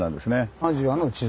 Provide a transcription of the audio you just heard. アジアの地図。